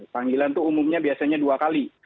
panggilan itu umumnya biasanya dua kali